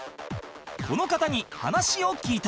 この方に話を聞いた